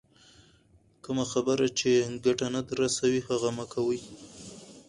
کمه خبر چي ګټه نه در رسوي، هغه مه کوئ!